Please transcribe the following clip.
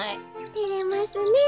てれますねえ。